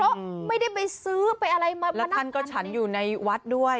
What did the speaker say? ก็ไม่ได้ไปซื้อไปอะไรมาแล้วท่านก็ฉันอยู่ในวัดด้วย